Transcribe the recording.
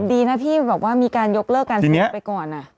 นี่ดีว่ามีการยกเลิกการเสียหายไปก่อน